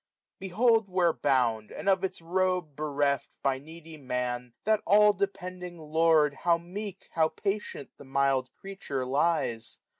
Behold where bound, and of its robe bereft. By needy Man, that all depending lord. How meek, how patient, the mild creature lies